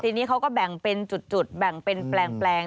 ทีนี้เขาก็แบ่งเป็นจุดแปลง